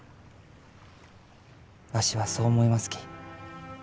わしはそう思いますき。